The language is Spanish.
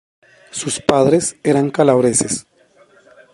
Sus padres eran calabreses.